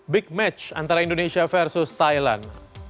big match antara indonesia versus thailand